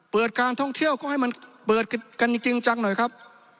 การท่องเที่ยวก็ให้มันเปิดกันจริงจังหน่อยครับ